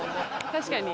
確かに。